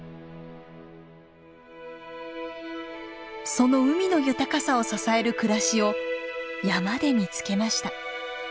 その海の豊かさを支える暮らしを山で見つけました。